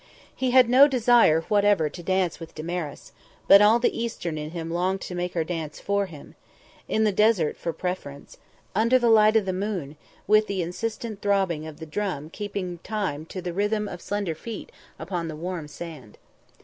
He had no desire whatever to dance with Damaris, but all the Eastern in him longed to make her dance for him; in the desert for preference; under the light of the moon; with the insistent throbbing of the drum keeping time to the rhythm of the slender feet upon the warm sand.